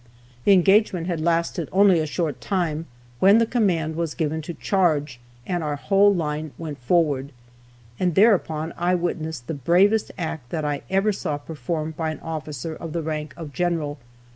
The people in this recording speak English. The engagement had lasted only a short time, when the command was given to charge, and our whole line went forward. And thereupon I witnessed the bravest act that I ever saw performed by an officer of the rank of general.